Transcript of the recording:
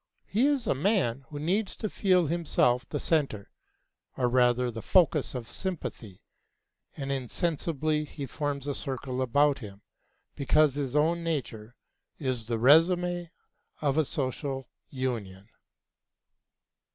He is a man who needs to feel himself the centre, or rather the focus of sympathy, and insensibly he forms a circle about him, because his own nature is the résumé of a social union.